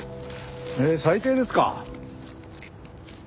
へえ最低ですか。